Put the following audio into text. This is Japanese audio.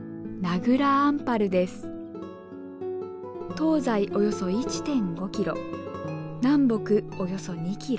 東西およそ１．５キロ南北およそ２キロ。